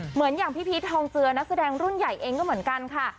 เหมือนอย่างพี่พีชทองเจือนักแสดงรุ่นใหญ่เองก็เหมือนกันค่ะ